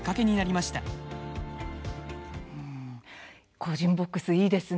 個人ボックスいいですね